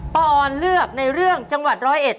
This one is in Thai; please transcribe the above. ออนเลือกในเรื่องจังหวัดร้อยเอ็ด